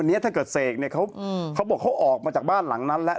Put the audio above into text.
อันนี้ถ้าเกิดเสกเนี่ยเขาบอกเขาออกมาจากบ้านหลังนั้นแล้ว